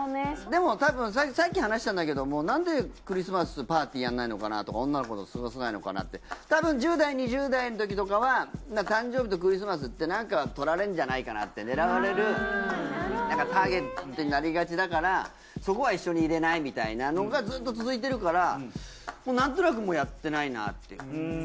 でもたぶんさっき話したんだけどもなんでクリスマスパーティーやんないのかなとか女の子と過ごさないのかなってたぶん１０代２０代のときとかは誕生日とクリスマスってなんか撮られんじゃないかなって狙われるターゲットになりがちだからそこは一緒に入れないみたいなのがずっと続いてるからもうなんとなくやってないなっていう。